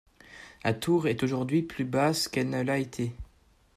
La tour est aujourd'hui plus basse qu'elle ne l'a été.